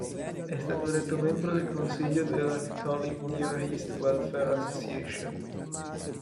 È stato eletto membro del consiglio della Catholic Near East Welfare Association.